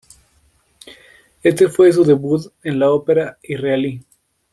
Este fue su debut en la ópera israelí.